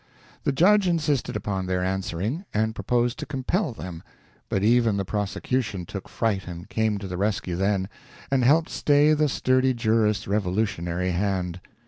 The judge insisted upon their answering, and proposed to compel them, but even the prosecution took fright and came to the rescue then, and helped stay the sturdy jurist's revolutionary hand.